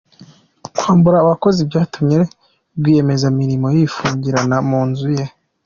Kwambura abakozi byatumye Rwiyemezamirimo yifungirana mu nzu ye